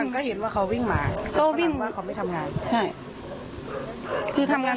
ก็เห็นว่าเขาวิ่งมาก็วิ่งมาเขาไม่ทำงานใช่คือทำงาน